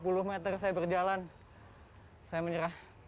belum lima puluh meter saya berjalan saya menyerah